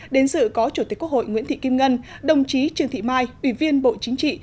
đến sự có chủ tịch quốc hội nguyễn thị kim ngân đồng chí trương thị mai ủy viên bộ chính trị